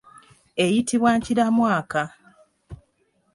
Eyitibwa enkiramwaka.